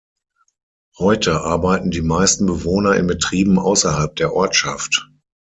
Heute arbeiten die meisten Bewohner in Betrieben außerhalb der Ortschaft.